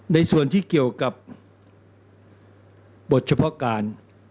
ในส่วนที่เกี่ยวกับบทเฉพาะการ